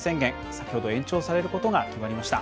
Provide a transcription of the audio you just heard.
先ほど延長されることが決まりました。